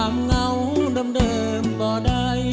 มไนท์